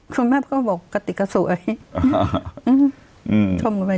คุณแม่ก็บอกกะติกก็สวย